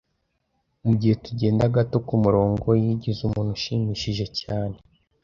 Mugihe tugenda gato kumurongo, yigize umuntu ushimishije cyane